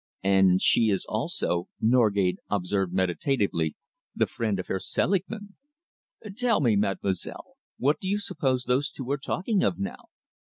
"And she is also," Norgate observed meditatively, "the friend of Herr Selingman. Tell me, mademoiselle, what do you suppose those two are talking of now?